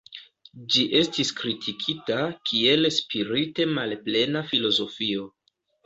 Ĝi estis kritikita kiel spirite malplena filozofio.